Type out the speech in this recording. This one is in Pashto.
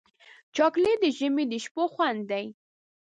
چاکلېټ د ژمي د شپو خوند دی.